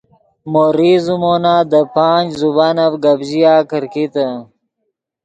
مو ریز زیمونہ دے پانچ زبانف گپ ژیا کرکیتے